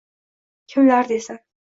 Kimlar desin